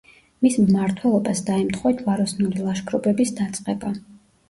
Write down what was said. მის მმართველობას დაემთხვა ჯვაროსნული ლაშქრობების დაწყება.